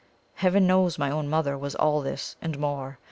Heaven knows my own mother was all this and more!